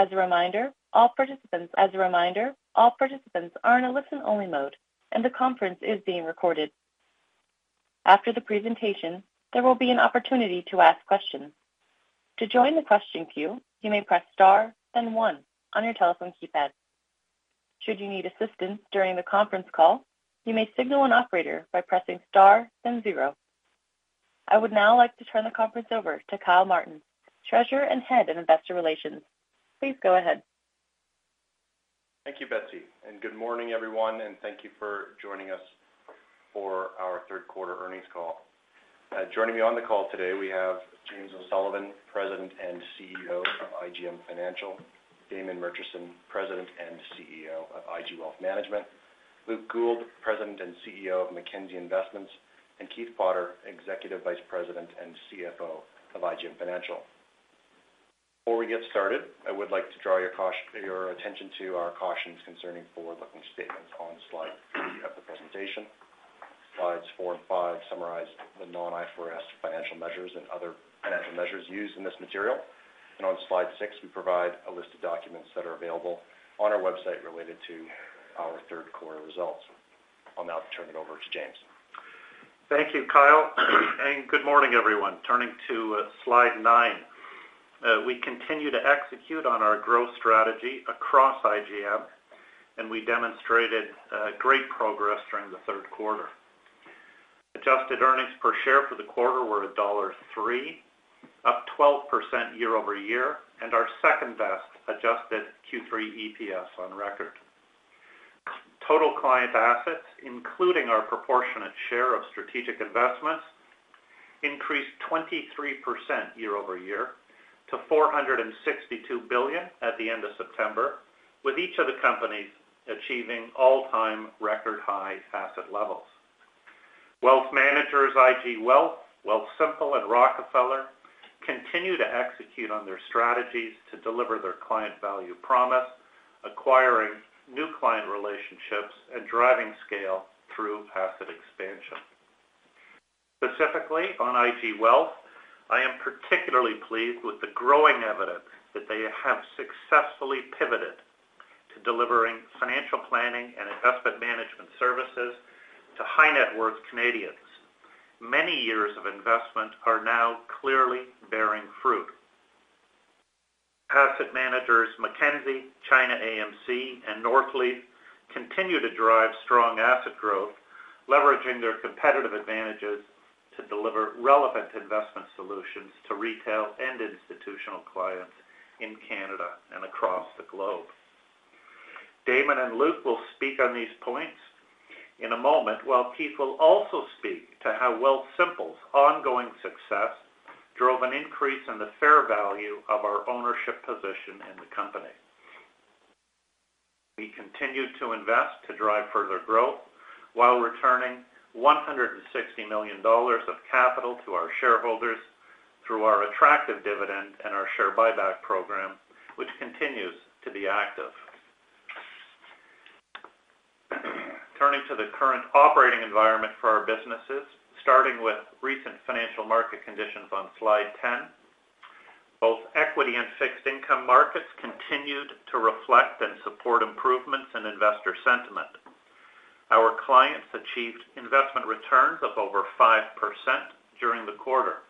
As a reminder, all participants are in a listen-only mode, and the conference is being recorded. After the presentation, there will be an opportunity to ask questions. To join the question queue, you may press star, then one, on your telephone keypad. Should you need assistance during the conference call, you may signal an operator by pressing star, then zero. I would now like to turn the conference over to, Treasurer and Head of Investor Relations. Please go ahead. Thank you, Betsy, and good morning, everyone, and thank you for joining us for our Q3 Earnings Call. Joining me on the call today, we have James O'Sullivan, President and CEO of IGM Financial, Damon Murchison, President and CEO of IG Wealth Management, Luke Gould, President and CEO of Mackenzie Investments, and Keith Potter, Executive Vice President and CFO of IGM Financial. Before we get started, I would like to draw your attention to our cautions concerning forward-looking statements on slide three of the presentation. Slides four and five summarize the non-IFRS financial measures and other financial measures used in this material, and on slide six, we provide a list of documents that are available on our website related to our Q3 results. I'll now turn it over to James. Thank you, Kyle. And good morning, everyone. Turning to slide nine, we continue to execute on our growth strategy across IGM, and we demonstrated great progress during the Q3. Adjusted earnings per share for the quarter were dollar 1.03, up 12% year-over-year, and our second-best adjusted Q3 EPS on record. Total client assets, including our proportionate share of strategic investments, increased 23% year-over-year to 462 billion at the end of September, with each of the companies achieving all-time record-high asset levels. Wealth Managers IG Wealth, Wealthsimple, and Rockefeller continue to execute on their strategies to deliver their client value promise, acquiring new client relationships, and driving scale through asset expansion. Specifically, on IG Wealth, I am particularly pleased with the growing evidence that they have successfully pivoted to delivering financial planning and investment management services to high-net-worth Canadians. Many years of investment are now clearly bearing fruit. Asset managers Mackenzie, ChinaAMC, and Northleaf continue to drive strong asset growth, leveraging their competitive advantages to deliver relevant investment solutions to retail and institutional clients in Canada and across the globe. Damon and Luke will speak on these points in a moment, while Keith will also speak to how Wealthsimple's ongoing success drove an increase in the fair value of our ownership position in the company. We continue to invest to drive further growth while returning 160 million dollars of capital to our shareholders through our attractive dividend and our share buyback program, which continues to be active. Turning to the current operating environment for our businesses, starting with recent financial market conditions on slide 10, both equity and fixed income markets continued to reflect and support improvements in investor sentiment. Our clients achieved investment returns of over 5% during the quarter.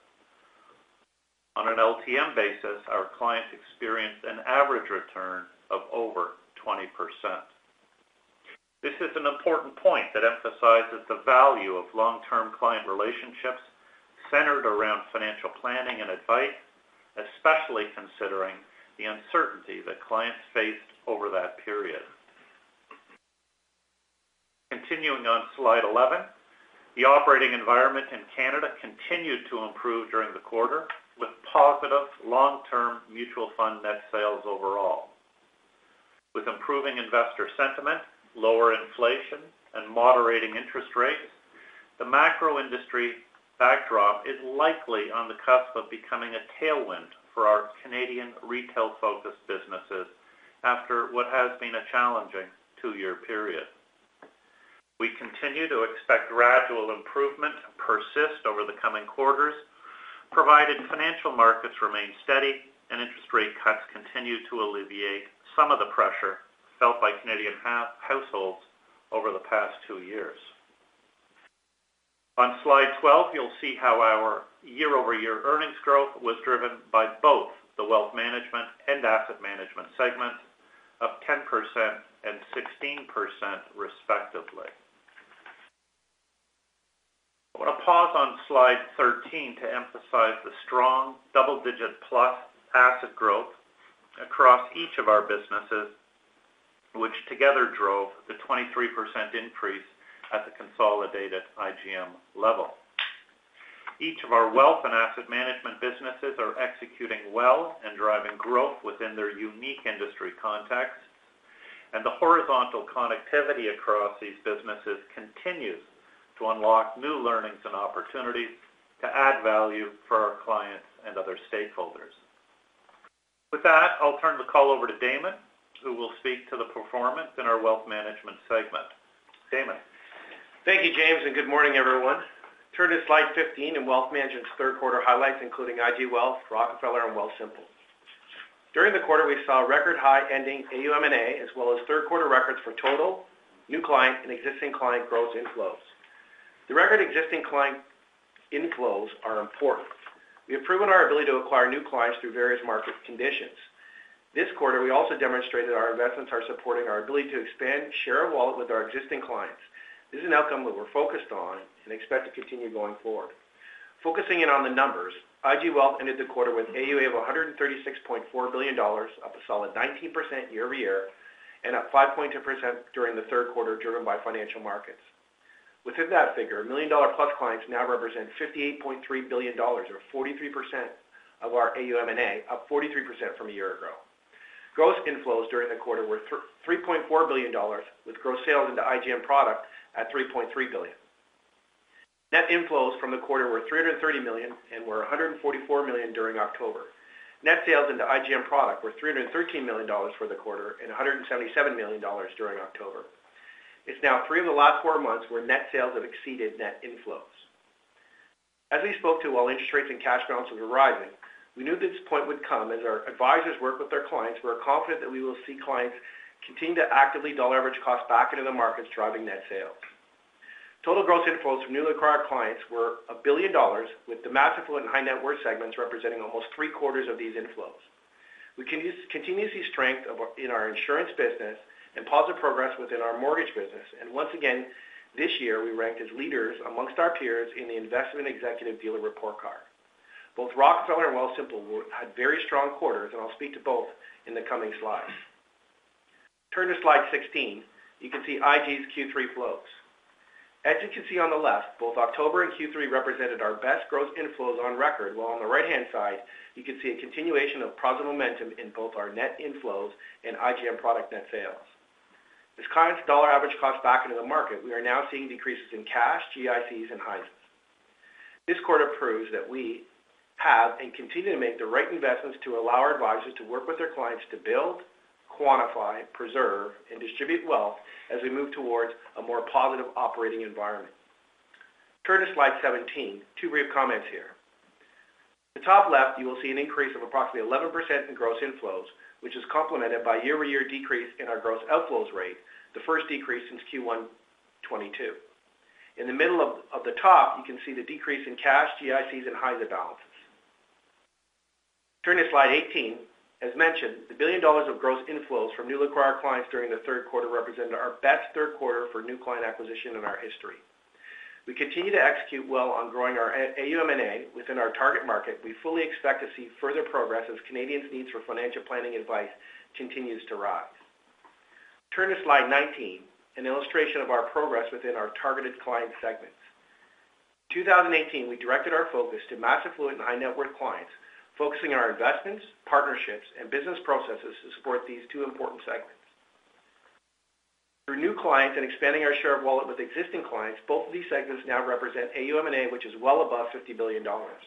On an LTM basis, our clients experienced an average return of over 20%. This is an important point that emphasizes the value of long-term client relationships centered around financial planning and advice, especially considering the uncertainty that clients faced over that period. Continuing on slide 11, the operating environment in Canada continued to improve during the quarter, with positive long-term mutual fund net sales overall. With improving investor sentiment, lower inflation, and moderating interest rates, the macro-industry backdrop is likely on the cusp of becoming a tailwind for our Canadian retail-focused businesses after what has been a challenging two-year period. We continue to expect gradual improvement to persist over the coming quarters, provided financial markets remain steady and interest rate cuts continue to alleviate some of the pressure felt by Canadian households over the past two years. On slide 12, you'll see how our year-over-year earnings growth was driven by both the wealth management and asset management segments of 10% and 16%, respectively. I want to pause on slide 13 to emphasize the strong double-digit plus asset growth across each of our businesses, which together drove the 23% increase at the consolidated IGM level. Each of our wealth and asset management businesses are executing well and driving growth within their unique industry context, and the horizontal connectivity across these businesses continues to unlock new learnings and opportunities to add value for our clients and other stakeholders. With that, I'll turn the call over to Damon, who will speak to the performance in our wealth management segment. Damon. Thank you, James, and good morning, everyone. Turn to slide 15 in Wealth Management's Q3 highlights, including IG Wealth, Rockefeller, and Wealthsimple. During the quarter, we saw record-high ending AUM&A as Q3 records for total, new client, and existing client growth inflows. The record existing client inflows are important. We have proven our ability to acquire new clients through various market conditions. This quarter, we also demonstrated our investments are supporting our ability to expand share of wallet with our existing clients. This is an outcome that we're focused on and expect to continue going forward. Focusing in on the numbers, IG Wealth ended the quarter with AUA of 136.4 billion dollars, up a solid 19% year-over-year, and up 5.2% during the Q3, driven by financial markets. Within that figure, million-dollar-plus clients now represent 58.3 billion dollars, or 43% of our AUM&A, up 43% from a year ago. Gross inflows during the quarter were 3.4 billion dollars, with gross sales into IGM product at 3.3 billion. Net inflows from the quarter were 330 million and were 144 million during October. Net sales into IGM product were 313 million dollars for the quarter and 177 million dollars during October. It's now three of the last four months where net sales have exceeded net inflows. As we spoke to, while interest rates and cash balance were rising, we knew this point would come as our advisors worked with our clients. We're confident that we will see clients continue to actively dollar-average costs back into the markets, driving net sales. Total gross inflows from newly acquired clients were 1 billion dollars, with the mass affluent and high-net-worth segments representing almost three-quarters of these inflows. We continue to see strength in our insurance business and positive progress within our mortgage business, and once again, this year, we ranked as leaders amongst our peers in the Investment Executive Dealer Report Card. Both Rockefeller and Wealthsimple had very strong quarters, and I'll speak to both in the coming slides. Turn to slide 16. You can see IG's Q3 flows. As you can see on the left, both October and Q3 represented our best gross inflows on record, while on the right-hand side, you can see a continuation of positive momentum in both our net inflows and IGM product net sales. As clients dollar-average costs back into the market, we are now seeing decreases in cash, GICs, and HISAs. This quarter proves that we have and continue to make the right investments to allow our advisors to work with their clients to build, quantify, preserve, and distribute wealth as we move towards a more positive operating environment. Turn to slide 17. Two brief comments here. In the top left, you will see an increase of approximately 11% in gross inflows, which is complemented by a year-over-year decrease in our gross outflows rate, the first decrease since Q1 2022. In the middle of the top, you can see the decrease in cash, GICs, and HISA balances. Turn to slide 18. As mentioned, 1 billion dollars of gross inflows from newly acquired clients during the Q3 represented our best Q3 for new client acquisition in our history. We continue to execute well on growing our AUM and A within our target market. We fully expect to see further progress as Canadians' needs for financial planning advice continues to rise. Turn to slide 19, an illustration of our progress within our targeted client segments. In 2018, we directed our focus to mass affluent and high-net-worth clients, focusing on our investments, partnerships, and business processes to support these two important segments. Through new clients and expanding our share of wallet with existing clients, both of these segments now represent AUM&A, which is well above 50 billion dollars.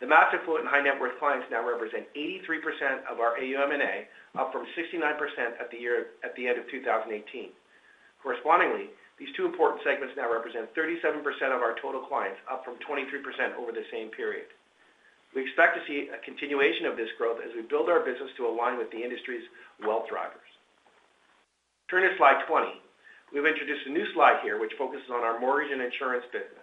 The mass affluent and high-net-worth clients now represent 83% of our AUM&A, up from 69% at the end of 2018. Correspondingly, these two important segments now represent 37% of our total clients, up from 23% over the same period. We expect to see a continuation of this growth as we build our business to align with the industry's wealth drivers. Turn to slide 20. We've introduced a new slide here, which focuses on our mortgage and insurance business.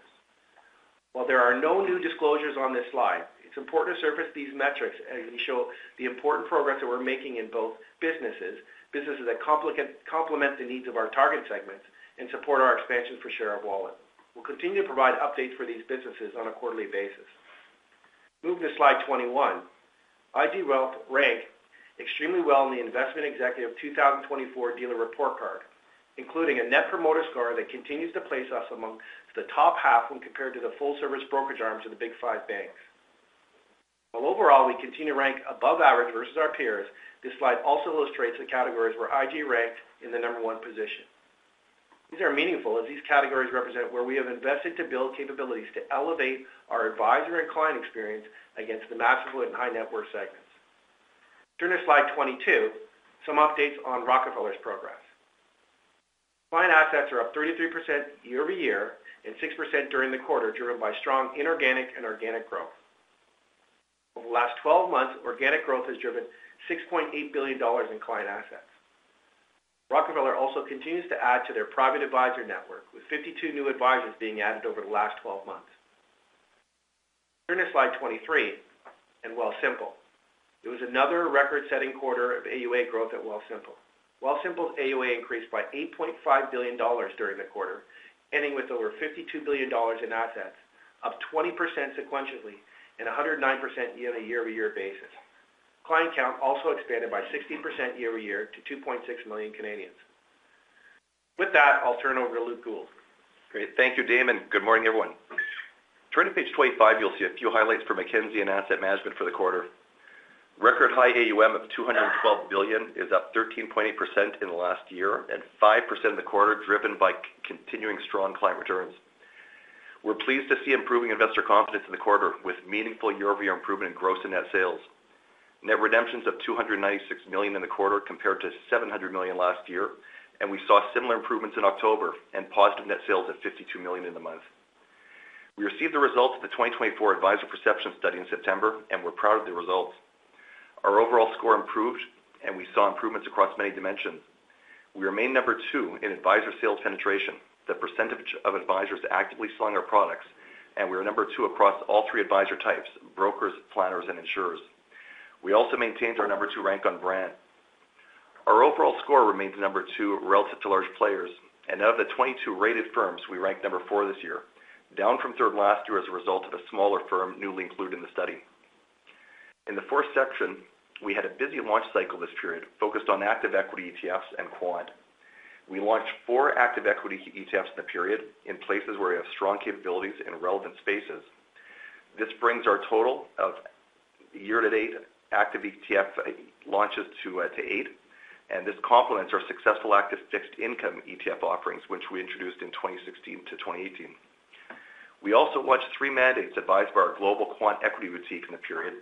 While there are no new disclosures on this slide, it's important to surface these metrics as we show the important progress that we're making in both businesses, businesses that complement the needs of our target segments and support our expansion for share of wallet. We'll continue to provide updates for these businesses on a quarterly basis. Move to slide 21. IG Wealth ranked extremely well in the Investment Executive 2024 Dealer Report Card, including a Net Promoter Score that continues to place us amongst the top half when compared to the full-service brokerage arms of the Big 5 banks. While overall, we continue to rank above average versus our peers, this slide also illustrates the categories where IG ranked in the number one position. These are meaningful as these categories represent where we have invested to build capabilities to elevate our advisor and client experience against the mass affluent and high-net-worth segments. Turn to slide 22, some updates on Rockefeller's progress. Client assets are up 33% year-over-year and 6% during the quarter, driven by strong inorganic and organic growth. Over the last 12 months, organic growth has driven 6.8 billion dollars in client assets. Rockefeller also continues to add to their private advisor network, with 52 new advisors being added over the last 12 months. Turn to slide 23, and Wealthsimple. It was another record-setting quarter of AUA growth at Wealthsimple. Wealthsimple's AUA increased by 8.5 billion dollars during the quarter, ending with over 52 billion dollars in assets, up 20% sequentially and 109% on a year-over-year basis. Client count also expanded by 16% year-over-year to 2.6 million Canadians. With that, I'll turn over to Luke Gould. Great. Thank you, Damon. Good morning, everyone. Turning to page 25, you'll see a few highlights for Mackenzie and asset management for the quarter. Record high AUM of 212 billion is up 13.8% in the last year and 5% of the quarter, driven by continuing strong client returns. We're pleased to see improving investor confidence in the quarter with meaningful year-over-year improvement in gross and net sales. Net redemptions of 296 million in the quarter compared to 700 million last year, and we saw similar improvements in October and positive net sales at 52 million in the month. We received the results of the 2024 advisor perception study in September and we're proud of the results. Our overall score improved, and we saw improvements across many dimensions. We remained number two in advisor sales penetration. The percentage of advisors actively selling our products, and we were number two across all three advisor types: brokers, planners, and insurers. We also maintained our number two rank on brand. Our overall score remained number two relative to large players, and out of the 22 rated firms, we ranked number four this year, down from third last year as a result of a smaller firm newly included in the study. In the fourth section, we had a busy launch cycle this period focused on active equity ETFs and quant. We launched four active equity ETFs in the period in places where we have strong capabilities in relevant spaces. This brings our total of year-to-date active ETF launches to eight, and this complements our successful active fixed income ETF offerings, which we introduced in 2016 to 2018. We also launched three mandates advised by our global quant equity boutique in the period,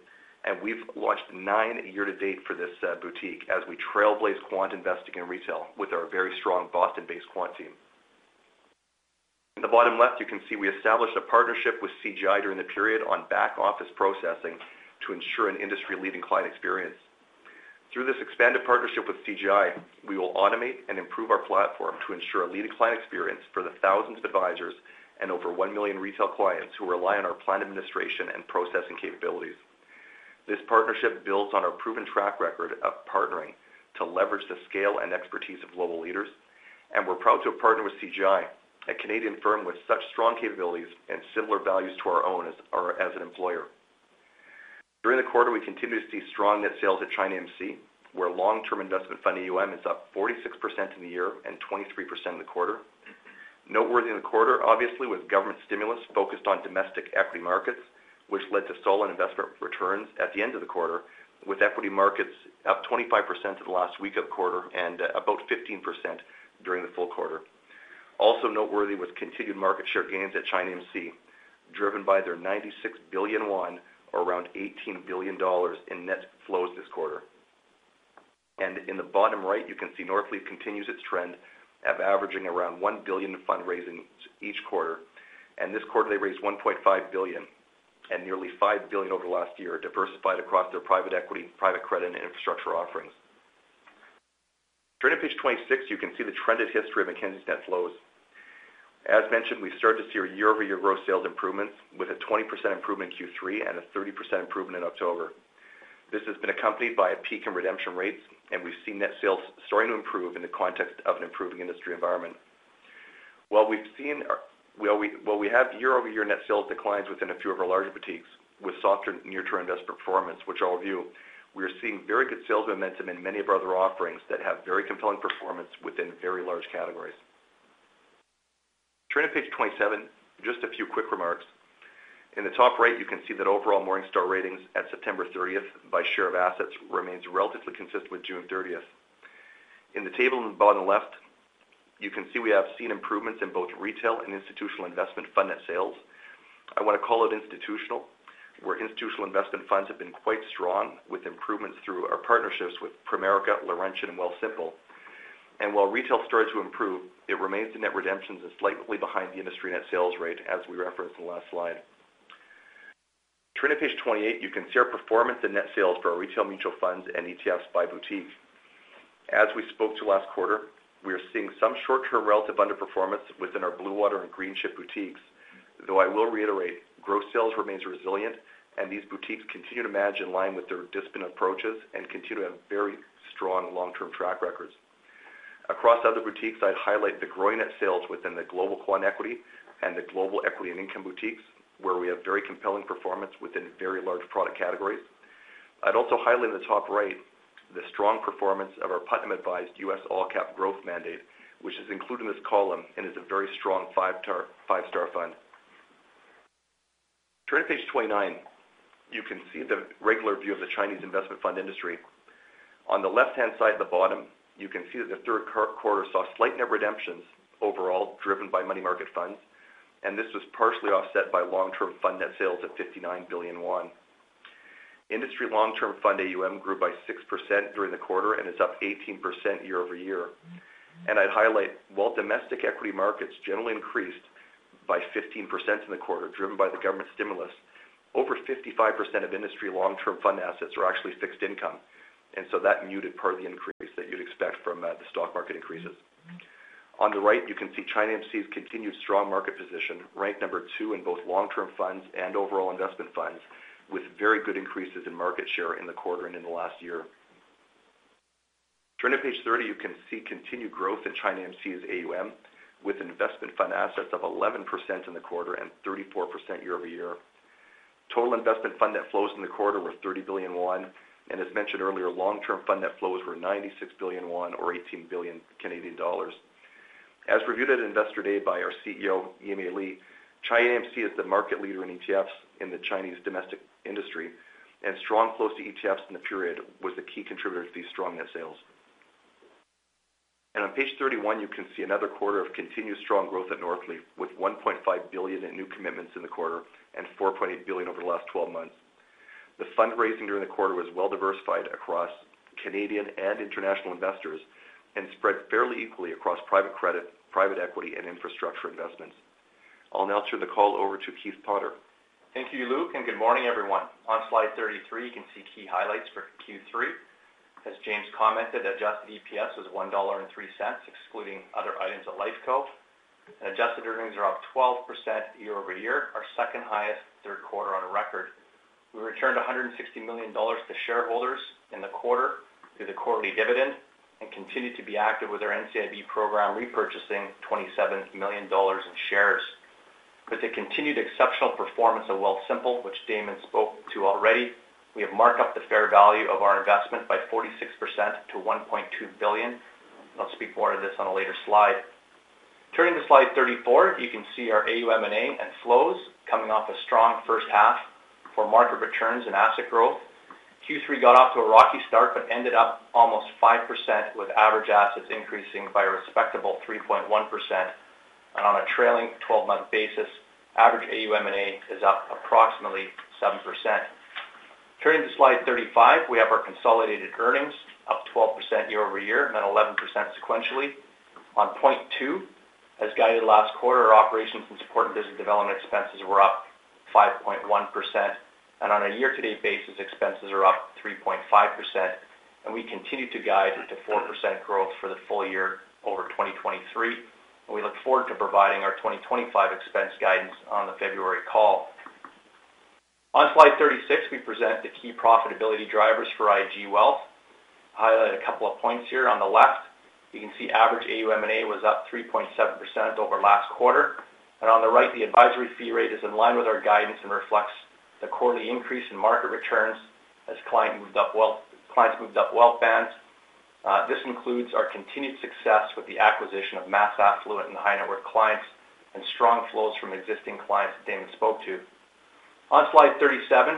and we've launched nine year-to-date for this boutique as we trailblaze quant investing in retail with our very strong Boston-based quant team. In the bottom left, you can see we established a partnership with CGI during the period on back-office processing to ensure an industry-leading client experience. Through this expanded partnership with CGI, we will automate and improve our platform to ensure a leading client experience for the thousands of advisors and over one million retail clients who rely on our platform administration and processing capabilities. This partnership builds on our proven track record of partnering to leverage the scale and expertise of global leaders, and we're proud to have partnered with CGI, a Canadian firm with such strong capabilities and similar values to our own as an employer. During the quarter, we continue to see strong net sales at ChinaAMC, where long-term investment fund AUM is up 46% in the year and 23% in the quarter. Noteworthy in the quarter, obviously, was government stimulus focused on domestic equity markets, which led to solid investment returns at the end of the quarter, with equity markets up 25% in the last week of the quarter and about 15% during the full quarter. Also noteworthy was continued market share gains at ChinaAMC, driven by their CNY 96 billion, or around $18 billion, in net flows this quarter. And in the bottom right, you can see Northleaf continues its trend of averaging around 1 billion in fundraising each quarter, and this quarter, they raised 1.5 billion and nearly 5 billion over the last year, diversified across their private equity, private credit, and infrastructure offerings. Turning to page 26, you can see the trended history of Mackenzie's net flows. As mentioned, we've started to see year-over-year gross sales improvements, with a 20% improvement in Q3 and a 30% improvement in October. This has been accompanied by a peak in redemption rates, and we've seen net sales starting to improve in the context of an improving industry environment. While we have year-over-year net sales declines within a few of our larger boutiques, with softer near-term investment performance, which I'll review, we are seeing very good sales momentum in many of our other offerings that have very compelling performance within very large categories. Turning to page 27, just a few quick remarks. In the top right, you can see that overall Morningstar ratings at September 30th by share of assets remains relatively consistent with June 30th. In the table in the bottom left, you can see we have seen improvements in both retail and institutional investment fund net sales. I want to call out institutional, where institutional investment funds have been quite strong, with improvements through our partnerships with Primerica, Laurentian, and Wealthsimple. While retail started to improve, it remains in net redemptions and slightly behind the industry net sales rate, as we referenced in the last slide. Turning to page 28, you can see our performance in net sales for our retail mutual funds and ETFs by boutique. As we spoke to last quarter, we are seeing some short-term relative underperformance within our Bluewater and Greenchip boutiques, though I will reiterate, gross sales remains resilient, and these boutiques continue to be in line with their disciplined approaches and continue to have very strong long-term track records. Across other boutiques, I'd highlight the growing net sales within the global quant equity and the global equity and income boutiques, where we have very compelling performance within very large product categories. I'd also highlight in the top right the strong performance of our Putnam Advised US All-Cap Growth mandate, which is included in this column and is a very strong five-star fund. Turning to page 29, you can see the regular view of the Chinese investment fund industry. On the left-hand side at the bottom, you can see that the Q3 saw slight net redemptions overall, driven by money market funds, and this was partially offset by long-term fund net sales at CNY 59 billion. Industry long-term fund AUM grew by 6% during the quarter and is up 18% year-over-year. I'd highlight, while domestic equity markets generally increased by 15% in the quarter, driven by the government stimulus, over 55% of industry long-term fund assets are actually fixed income, and so that muted part of the increase that you'd expect from the stock market increases. On the right, you can see ChinaAMC's continued strong market position, ranked number two in both long-term funds and overall investment funds, with very good increases in market share in the quarter and in the last year. Turn to page 30, you can see continued growth in ChinaAMC's AUM, with investment fund assets of 11% in the quarter and 34% year-over-year. Total investment fund net flows in the quarter were CNY 30 billion, and as mentioned earlier, long-term fund net flows were CNY 96 billion, or 18 billion Canadian dollars. As reviewed at Investor Day by our CEO, Yimei Li, ChinaAMC is the market leader in ETFs in the Chinese domestic industry, and strong flows to ETFs in the period was a key contributor to these strong net sales. On page 31, you can see another quarter of continued strong growth at Northleaf, with 1.5 billion in new commitments in the quarter and 4.8 billion over the last 12 months. The fundraising during the quarter was well-diversified across Canadian and international investors and spread fairly equally across private credit, private equity, and infrastructure investments. I'll now turn the call over to Keith Potter. Thank you, Luke, and good morning, everyone. On slide 33, you can see key highlights for Q3. As James commented, adjusted EPS was 1.03 dollar, excluding other items of LIFECO. Adjusted earnings are up 12% year-over-year, our second highest Q3 on record. We returned 160 million dollars to shareholders in the quarter through the quarterly dividend and continued to be active with our NCIB program, repurchasing 27 million dollars in shares. With the continued exceptional performance of Wealthsimple, which Damon spoke to already, we have marked up the fair value of our investment by 46% to 1.2 billion. I'll speak more to this on a later slide. Turning to slide 34, you can see our AUM&A and flows coming off a strong first half for market returns and asset growth. Q3 got off to a rocky start but ended up almost 5%, with average assets increasing by a respectable 3.1%. And on a trailing 12-month basis, average AUM&A is up approximately 7%. Turning to slide 35, we have our consolidated earnings, up 12% year-over-year and then 11% sequentially. On point 2, as guided last quarter, our operations and support and business development expenses were up 5.1%. And on a year-to-date basis, expenses are up 3.5%, and we continue to guide to 4% growth for the full year over 2023. We look forward to providing our 2025 expense guidance on the February call. On slide 36, we present the key profitability drivers for IG Wealth. I'll highlight a couple of points here. On the left, you can see average AUM&A was up 3.7% over last quarter. And on the right, the advisory fee rate is in line with our guidance and reflects the quarterly increase in market returns as clients moved up wealth bands. This includes our continued success with the acquisition of mass affluent and high-net-worth clients and strong flows from existing clients that Damon spoke to. On slide 37,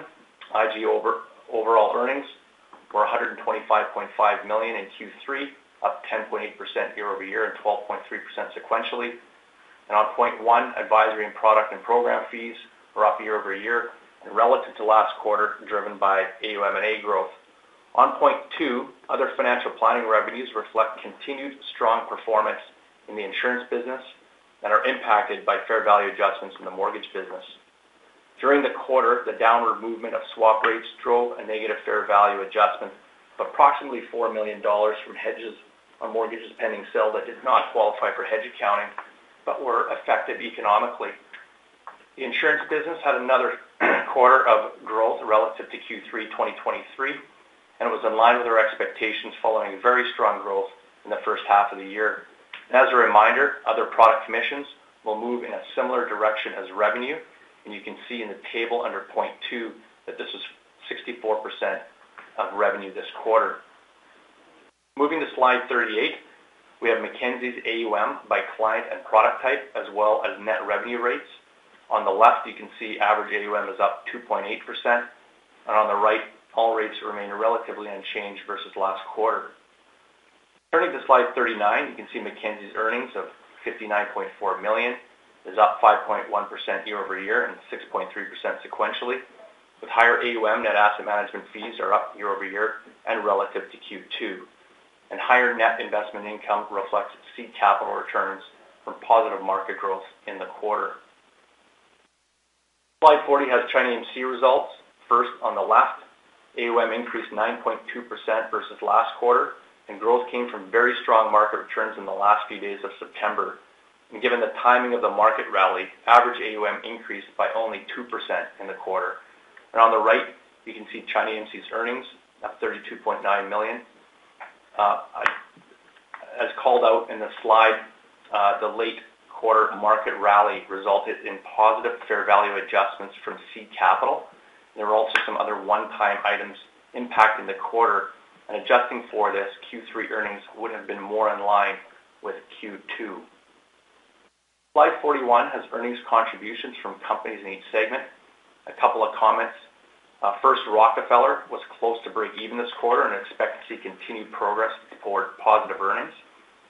IG overall earnings were 125.5 million in Q3, up 10.8% year-over-year and 12.3% sequentially. And on 0.1, advisory and product and program fees were up year-over-year and relative to last quarter, driven by AUM&A growth. On 0.2, other financial planning revenues reflect continued strong performance in the insurance business and are impacted by fair value adjustments in the mortgage business. During the quarter, the downward movement of swap rates drove a negative fair value adjustment of approximately 4 million dollars from hedges on mortgages pending sale that did not qualify for hedge accounting but were effective economically. The insurance business had another quarter of growth relative to Q3 2023, and it was in line with our expectations following very strong growth in the first half of the year. As a reminder, other product commissions will move in a similar direction as revenue, and you can see in the table under 0.2 that this was 64% of revenue this quarter. Moving to slide 38, we have Mackenzie's AUM by client and product type, as well as net revenue rates. On the left, you can see average AUM is up 2.8%, and on the right, all rates remain relatively unchanged versus last quarter. Turning to slide 39, you can see Mackenzie's earnings of 59.4 million is up 5.1% year-over-year and 6.3% sequentially, with higher AUM net asset management fees that are up year-over-year and relative to Q2. Higher net investment income reflects seed capital returns from positive market growth in the quarter. Slide 40 has ChinaAMC results. First, on the left, AUM increased 9.2% versus last quarter, and growth came from very strong market returns in the last few days of September. Given the timing of the market rally, average AUM increased by only 2% in the quarter. On the right, you can see ChinaAMC's earnings of 32.9 million. As called out in the slide, the late quarter market rally resulted in positive fair value adjustments from seed capital. There were also some other one-time items impacting the quarter, and adjusting for this, Q3 earnings would have been more in line with Q2. Slide 41 has earnings contributions from companies in each segment. A couple of comments. First, Rockefeller was close to break-even this quarter and we expect to see continued progress toward positive earnings.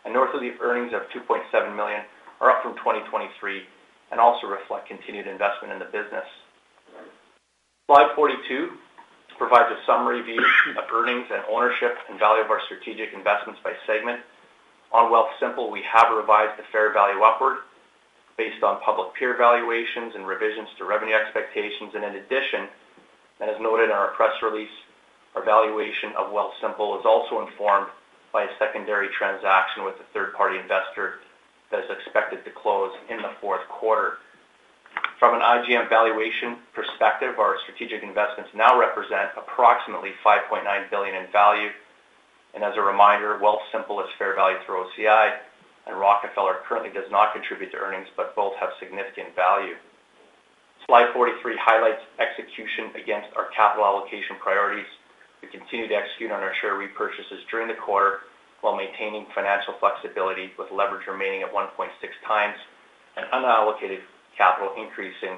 Northleaf, the earnings of 2.7 million are up from 2023 and also reflect continued investment in the business. Slide 42 provides a summary view of earnings and ownership and value of our strategic investments by segment. On Wealthsimple, we have revised the fair value upward based on public peer evaluations and revisions to revenue expectations. In addition, as noted in our press release, our valuation of Wealthsimple is also informed by a secondary transaction with a third-party investor that is expected to close in the Q4. From an IGM valuation perspective, our strategic investments now represent approximately 5.9 billion in value. As a reminder, Wealthsimple is fair value through OCI, and Rockefeller currently does not contribute to earnings, but both have significant value. Slide 43 highlights execution against our capital allocation priorities. We continue to execute on our share repurchases during the quarter while maintaining financial flexibility, with leverage remaining at 1.6 times and unallocated capital increasing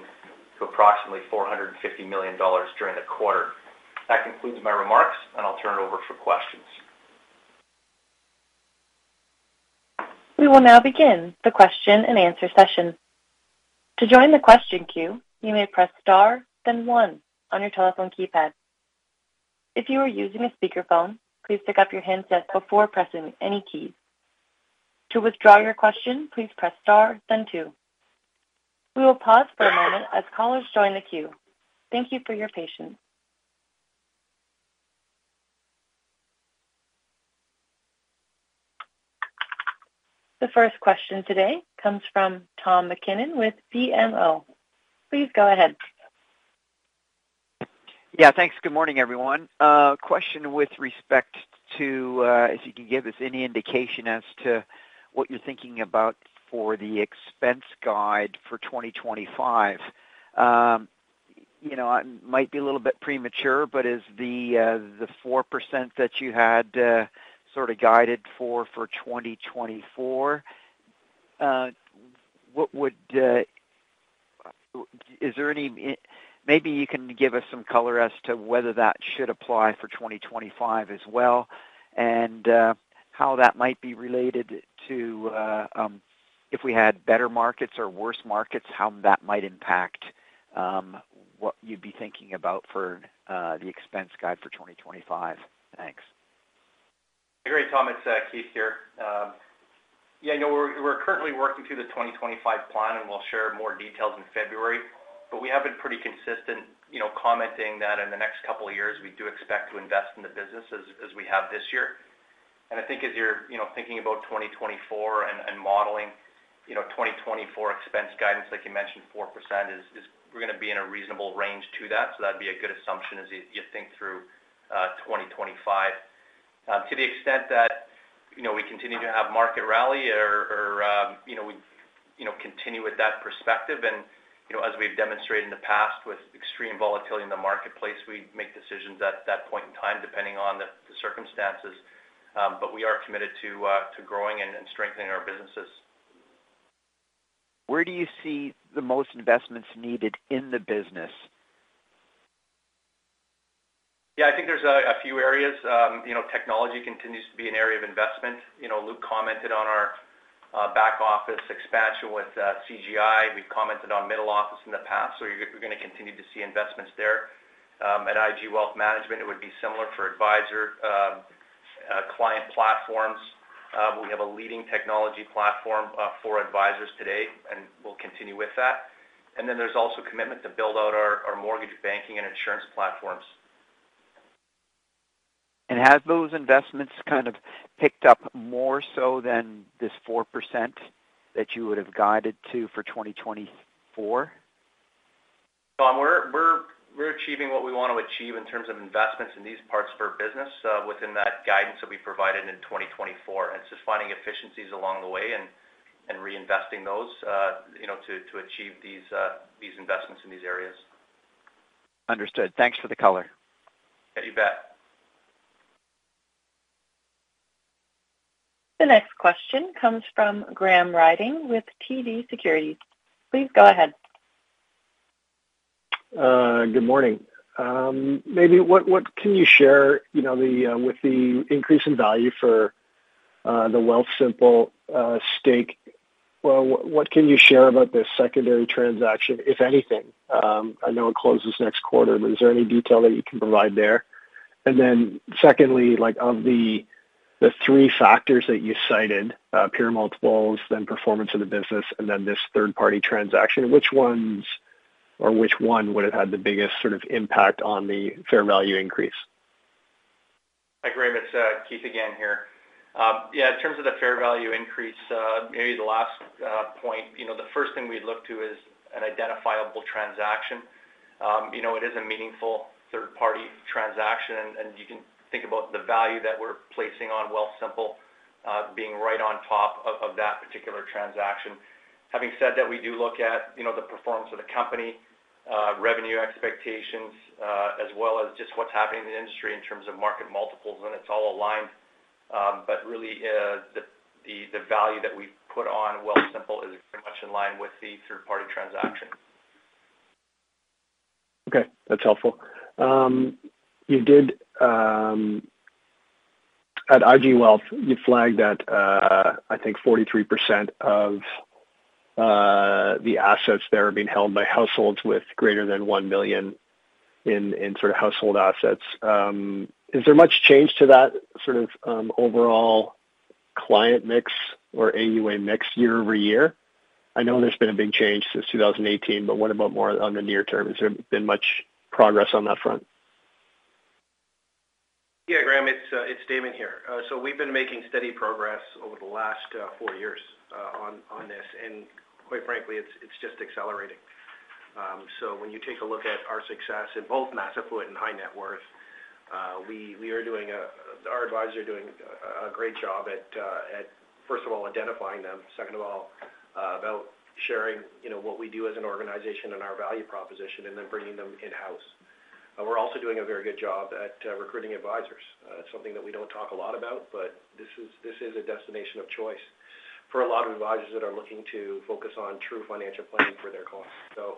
to approximately 450 million dollars during the quarter. That concludes my remarks, and I'll turn it over for questions. We will now begin the question and answer session. To join the question queue, you may press star, then one on your telephone keypad. If you are using a speakerphone, please pick up your handset before pressing any keys. To withdraw your question, please press star, then two. We will pause for a moment as callers join the queue. Thank you for your patience. The first question today comes from Tom MacKinnon with BMO. Please go ahead. Yeah, thanks. Good morning, everyone. Question with respect to if you can give us any indication as to what you're thinking about for the expense guide for 2025. It might be a little bit premature, but is the 4% that you had sort of guided for for 2024, is there any, maybe you can give us some color as to whether that should apply for 2025 as well, and how that might be related to if we had better markets or worse markets, how that might impact what you'd be thinking about for the expense guide for 2025. Thanks. Hey, great, Tom. It's Keith here. Yeah, we're currently working through the 2025 plan, and we'll share more details in February. But we have been pretty consistent commenting that in the next couple of years, we do expect to invest in the business as we have this year. And I think as you're thinking about 2024 and modeling 2024 expense guidance, like you mentioned, 4%, we're going to be in a reasonable range to that. So that'd be a good assumption as you think through 2025. To the extent that we continue to have market rally or continue with that perspective, and as we've demonstrated in the past with extreme volatility in the marketplace, we make decisions at that point in time depending on the circumstances. But we are committed to growing and strengthening our businesses. Where do you see the most investments needed in the business? Yeah, I think there's a few areas. Technology continues to be an area of investment. Luke commented on our back office expansion with CGI. We've commented on middle office in the past, so we're going to continue to see investments there. At IG Wealth Management, it would be similar for advisor client platforms. We have a leading technology platform for advisors today, and we'll continue with that and then there's also commitment to build out our mortgage banking and insurance platforms. Have those investments kind of picked up more so than this 4% that you would have guided to for 2024? We're achieving what we want to achieve in terms of investments in these parts of our business within that guidance that we provided in 2024, and it's just finding efficiencies along the way and reinvesting those to achieve these investments in these areas. Understood. Thanks for the color. Yeah, you bet. The next question comes from Graham Ryding with TD Securities. Please go ahead. Good morning. Maybe what can you share with the increase in value for the Wealthsimple stake? What can you share about the secondary transaction, if anything? I know it closes next quarter, but is there any detail that you can provide there? And then secondly, of the three factors that you cited, peer multiples, then performance of the business, and then this third-party transaction, which ones or which one would have had the biggest sort of impact on the fair value increase? Hi Graham. It's Keith again here. Yeah, in terms of the fair value increase, maybe the last point, the first thing we'd look to is an identifiable transaction. It is a meaningful third-party transaction, and you can think about the value that we're placing on Wealthsimple being right on top of that particular transaction. Having said that, we do look at the performance of the company, revenue expectations, as well as just what's happening in the industry in terms of market multiples, and it's all aligned. But really, the value that we've put on Wealthsimple is very much in line with the third-party transaction. Okay. That's helpful. At IG Wealth, you flagged that, I think, 43% of the assets there are being held by households with greater than one million in sort of household assets. Is there much change to that sort of overall client mix or AUA mix year-over-year? I know there's been a big change since 2018, but what about more on the near term? Has there been much progress on that front? Yeah, Graham, it's Damon here. So we've been making steady progress over the last four years on this, and quite frankly, it's just accelerating. So when you take a look at our success in both mass affluent and high-net-worth, we are doing, our advisors are doing a great job at, first of all, identifying them. Second of all, about sharing what we do as an organization and our value proposition, and then bringing them in-house. We're also doing a very good job at recruiting advisors. It's something that we don't talk a lot about, but this is a destination of choice for a lot of advisors that are looking to focus on true financial planning for their clients. So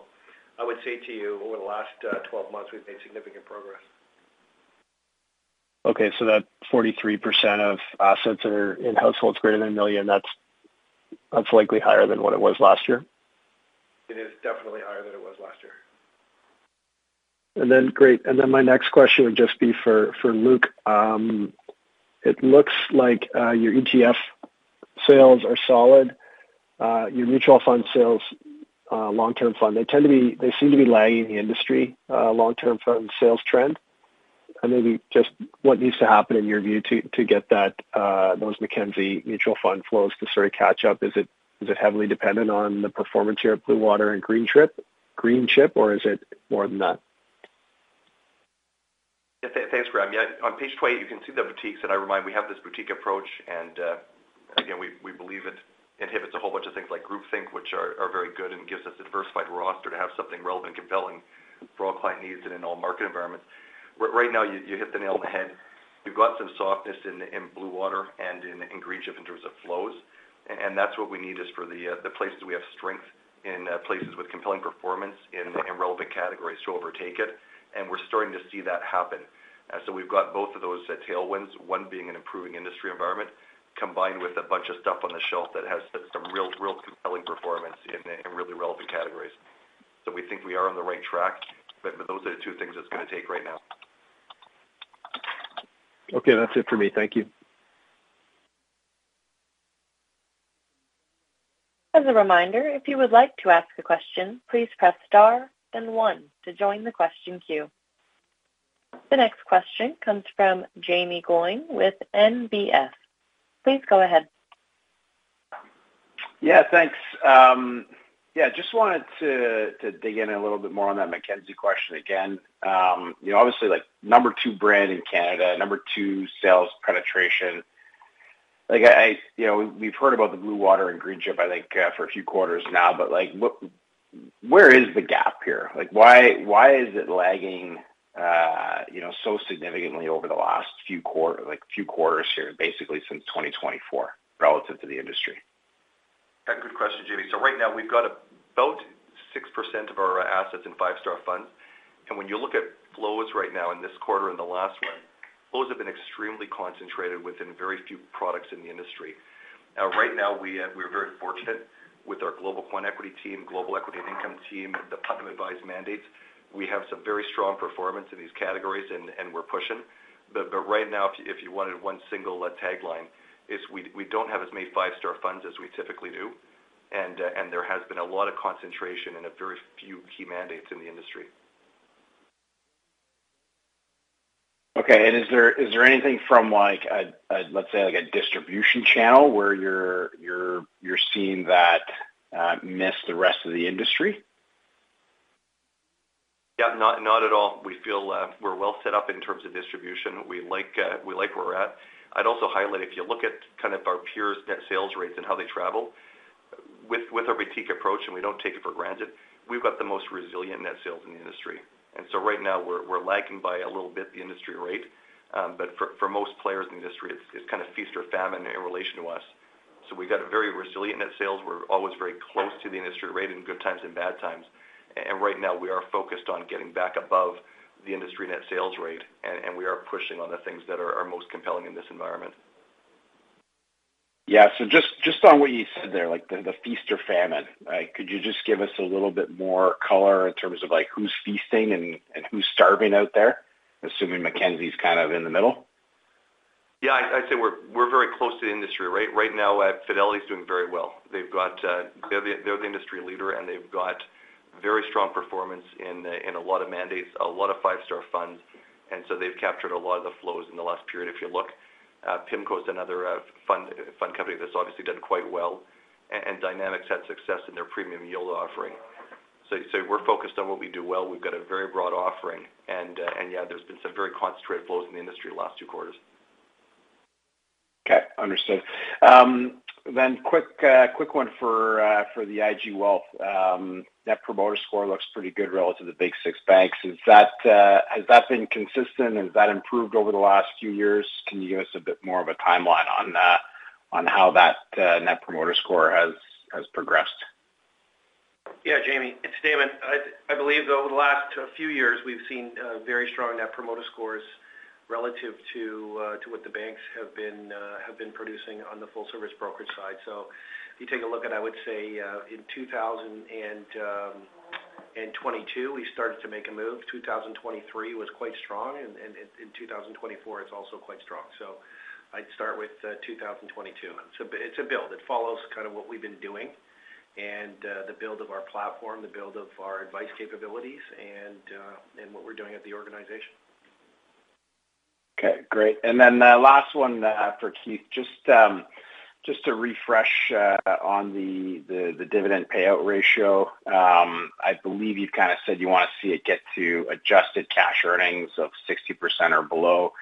I would say to you, over the last 12 months, we've made significant progress. Okay. So that 43% of assets that are in households greater than $1 million, that's likely higher than what it was last year? It is definitely higher than it was last year. And then great. And then my next question would just be for Luke. It looks like your ETF sales are solid. Your mutual fund sales, long-term fund, they tend to be, they seem to be lagging industry long-term fund sales trend. And maybe just what needs to happen in your view to get those Mackenzie mutual fund flows to sort of catch up? Is it heavily dependent on the performance here at Blue Water and Greenchip, or is it more than that? Yeah, thanks, Graham. Yeah, on page 28, you can see the boutiques. And I remind you, we have this boutique approach, and again, we believe it inhibits a whole bunch of things like groupthink, which are very good and gives us a diversified roster to have something relevant and compelling for all client needs and in all market environments. Right now, you hit the nail on the head. We've got some softness in Blue Water and in Greenchip in terms of flows. And that's what we need is for the places we have strength in, places with compelling performance in relevant categories to overtake it. And we're starting to see that happen. So we've got both of those tailwinds, one being an improving industry environment combined with a bunch of stuff on the shelf that has some real compelling performance in really relevant categories. We think we are on the right track, but those are the two things it's going to take right now. Okay. That's it for me. Thank you. As a reminder, if you would like to ask a question, please press star, then one to join the question queue. The next question comes from Jaeme Gloyn with NBF. Please go ahead. Yeah, thanks. Yeah, just wanted to dig in a little bit more on that Mackenzie question again. Obviously, number two brand in Canada, number two sales penetration. We've heard about the Mackenzie Blue Water and Mackenzie Greenchip, I think, for a few quarters now, but where is the gap here? Why is it lagging so significantly over the last few quarters here, basically since 2024, relative to the industry? That's a good question, Jaeme. So right now, we've got about 6% of our assets in five-star funds. And when you look at flows right now in this quarter and the last one, flows have been extremely concentrated within very few products in the industry. Right now, we are very fortunate with our global quant equity team, global equity and income team, and the Putnam Advised mandates. We have some very strong performance in these categories, and we're pushing. But right now, if you wanted one single tagline, it's we don't have as many five-star funds as we typically do. And there has been a lot of concentration in a very few key mandates in the industry. Okay. And is there anything from, let's say, a distribution channel where you're seeing that miss the rest of the industry? Yeah, not at all. We feel we're well set up in terms of distribution. We like where we're at. I'd also highlight, if you look at kind of our peers' net sales rates and how they travel, with our boutique approach, and we don't take it for granted, we've got the most resilient net sales in the industry, and so right now, we're lagging by a little bit the industry rate, but for most players in the industry, it's kind of feast or famine in relation to us, so we've got a very resilient net sales. We're always very close to the industry rate in good times and bad times, and right now, we are focused on getting back above the industry net sales rate, and we are pushing on the things that are most compelling in this environment. Yeah. So just on what you said there, the feast or famine, could you just give us a little bit more color in terms of who's feasting and who's starving out there, assuming Mackenzie's kind of in the middle? Yeah. I'd say we're very close to the industry. Right now, Fidelity is doing very well. They're the industry leader, and they've got very strong performance in a lot of mandates, a lot of five-star funds, and so they've captured a lot of the flows in the last period. If you look, PIMCO is another fund company that's obviously done quite well, and Dynamic Funds had success in their premium yield offering, so we're focused on what we do well. We've got a very broad offering, and yeah, there's been some very concentrated flows in the industry the last two quarters. Okay. Understood. Then quick one for the IG Wealth. Net Promoter Score looks pretty good relative to the big six banks. Has that been consistent? Has that been improved over the last few years? Can you give us a bit more of a timeline on how that Net Promoter Score has progressed? Yeah, Jaeme. It's Damon. I believe over the last few years, we've seen very strong Net Promoter Scores relative to what the banks have been producing on the full-service brokerage side. So if you take a look at, I would say, in 2022, we started to make a move. 2023 was quite strong, and in 2024, it's also quite strong. So I'd start with 2022. It's a build. It follows kind of what we've been doing and the build of our platform, the build of our advice capabilities, and what we're doing at the organization. Okay. Great, and then last one for Keith, just to refresh on the dividend payout ratio. I believe you've kind of said you want to see it get to adjusted cash earnings of 60% or below.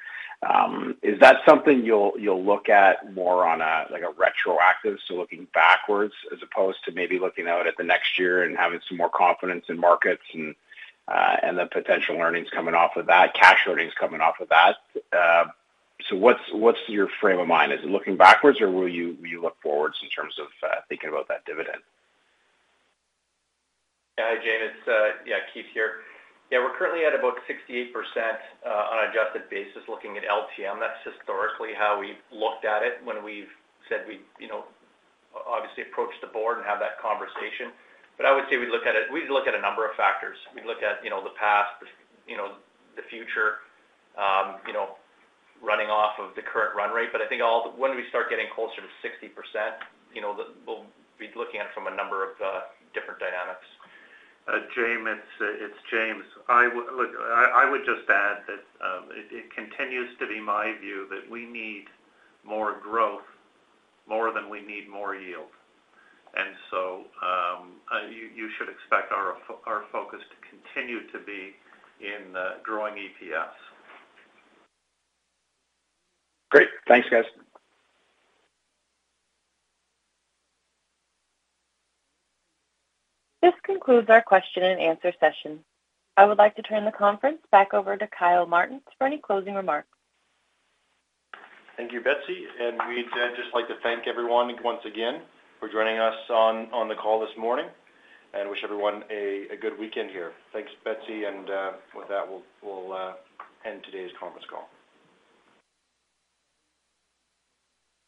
Is that something you'll look at more on a retroactive, so looking backwards, as opposed to maybe looking out at the next year and having some more confidence in markets and the potential earnings coming off of that, cash earnings coming off of that? So what's your frame of mind? Is it looking backwards, or will you look forwards in terms of thinking about that dividend? Yeah, Jaeme. Yeah, Keith here. Yeah, we're currently at about 68% on an adjusted basis looking at LTM. That's historically how we've looked at it when we've said we've obviously approached the board and had that conversation. But I would say we'd look at a number of factors. We'd look at the past, the future, running off of the current run rate. But I think when we start getting closer to 60%, we'll be looking at it from a number of different dynamics. James, it's James. Look, I would just add that it continues to be my view that we need more growth more than we need more yield. And so you should expect our focus to continue to be in growing EPS. Great. Thanks, guys. This concludes our question-and-answer session. I would like to turn the conference back over to Kyle Martens for any closing remarks. Thank you, Betsy. And we'd just like to thank everyone once again for joining us on the call this morning and wish everyone a good weekend here. Thanks, Betsy. And with that, we'll end today's conference call.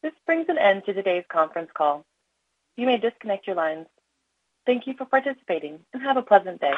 This brings an end to today's conference call. You may disconnect your lines. Thank you for participating and have a pleasant day.